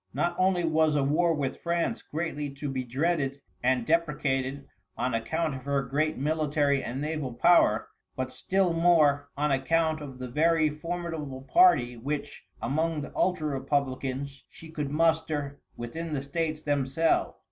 Not only was a war with France greatly to be dreaded and deprecated on account of her great military and naval power, but still more on account of the very formidable party which, among the ultra Republicans, she could muster within the States themselves.